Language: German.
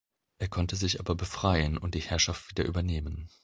Er konnte sich aber befreien und die Herrschaft wieder übernehmen.